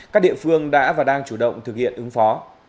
các địa phương đã và đang chủ động thực hiện ứng phó